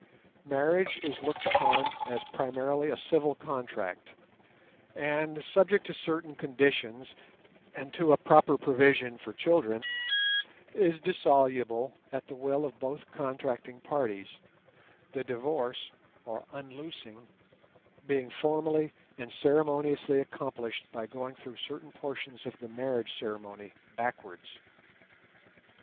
Marriage is looked upon as primarily a civil contract, and, subject to certain conditions and to a proper provision for children, is dissoluble at the will of both contracting parties, the divorce, or "unloosing", being formally and ceremoniously accomplished by going through certain portions of the marriage ceremony backwards.